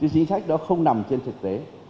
chính sách đó không nằm trên thực tế